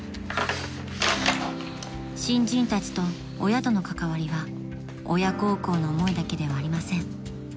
［新人たちと親との関わりは親孝行の思いだけではありません］